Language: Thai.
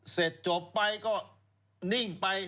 เสร็จจบไปก็นิ่งไป